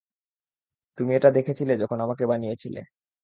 তুমি এটা দেখেছিলে যখন আমাকে বানিয়েছিলে।